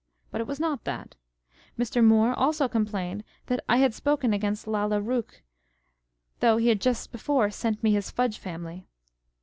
But it was not that. Mr. Moore also com plained that u I had spoken against Lalla Rookh" though he had just before sent me his Fudge Family.